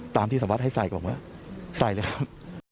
ตามที่สามารถให้ใส่ก็บอกว่าใส่เลยครับ